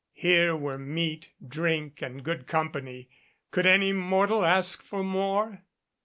Here were meat, drink and good company. Could any mortal ask for more?